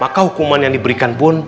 maka hukuman yang diberikan pun